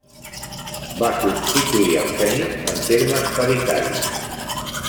Va substituir el fènix en termes paritaris.